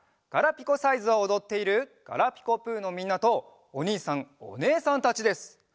「ガラピコサイズ」をおどっている「ガラピコぷ」のみんなとおにいさんおねえさんたちです。